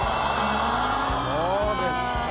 そうですか。